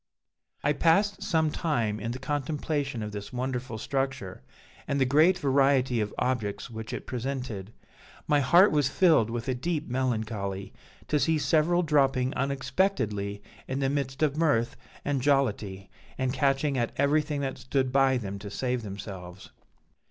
"I passed some time in the contemplation of this wonderful structure, and the great variety of objects which it presented. My heart was filled with a deep melancholy to see several dropping unexpectedly in the midst of mirth and jollity, and catching at everything that stood by them to save themselves.